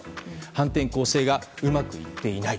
反転攻勢がうまくいっていない。